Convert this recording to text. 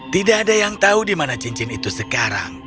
tidak ada yang tahu di mana cincin itu sekarang